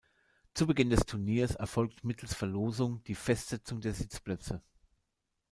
Zu Beginn des Turniers erfolgt mittels Verlosung die Festsetzung der Sitzplätze.